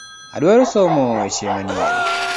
Adwaro somo weche manyien.